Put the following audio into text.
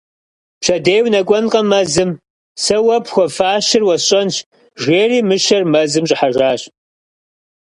Пщэдей унэкӏуэнкъэ мэзым - сэ уэ пхуэфащэр уэсщӏэнщ, - жери мыщэр мэзым щӏыхьэжащ.